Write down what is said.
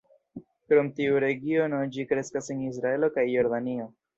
Krom tiu regiono, ĝi kreskas en Israelo kaj Jordanio.